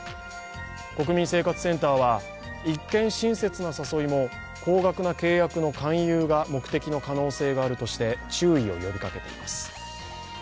国民生活センターは、一見親切な誘いも高額な契約の勧誘が目的の可能性があるとして注意を呼びかけています。